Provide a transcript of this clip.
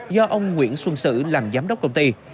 do ông nguyễn xuân sử làm giám đốc công ty